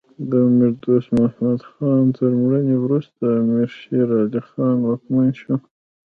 د امیر دوست محمد خان تر مړینې وروسته امیر شیر علی خان واکمن شو.